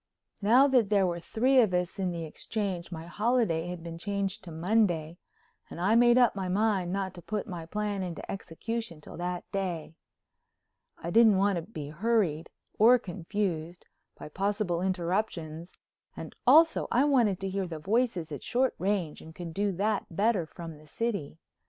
Now that there were three of us in the Exchange my holiday had been changed to Monday, and I made up my mind not to put my plan into execution till that day. I didn't want to be hurried, or confused, by possible interruptions, and also I wanted to hear the voices at short range and could do that better from the city.